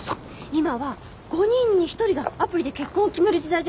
今は５人に１人がアプリで結婚を決める時代ですよ。